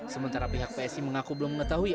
sementara pihak psi mengaku belum mengetahui